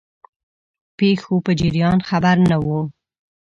پیښو په جریان خبر نه وو.